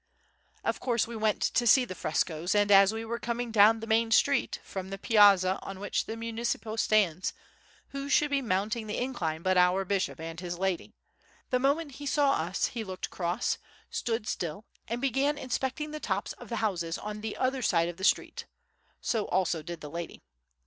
Of course we went to see the frescoes, and as we were coming down the main street, from the Piazza on which the Municipio stands, who should be mounting the incline but our bishop and his lady. The moment he saw us, he looked cross, stood still and began inspecting the tops of the houses on the other side of the street; so also did the lady.